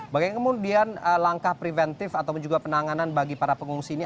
bagaimana kemudian langkah preventif ataupun juga penanganan bagi para pengungsi ini